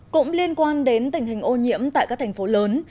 cũng liên quan đến tình hình ô nhiễm tại các thành phố lớn